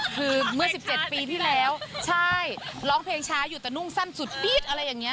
คือเมื่อ๑๗ปีที่แล้วใช่ร้องเพลงช้าอยู่แต่นุ่งสั้นสุดปี๊ดอะไรอย่างนี้